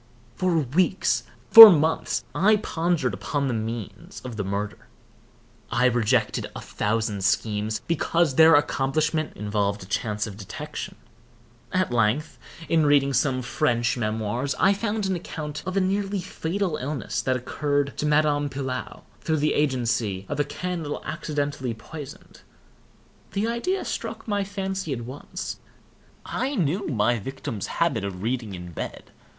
For weeks, for months, I pondered upon the means of the murder. I rejected a thousand schemes, because their accomplishment involved a chance of detection. At length, in reading some French memoirs, I found an account of a nearly fatal illness that occurred to Madame Pilau, through the agency of a candle accidentally poisoned. The idea struck my fancy at once. I knew my victim's habit of reading in bed.